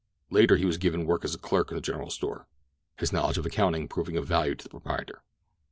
Later he was given work as a clerk in the general store, his knowledge of accounting proving of value to the proprietor.